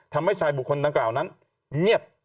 ทำให้ชายบุคคลดังกล่าวนั้นเงียบ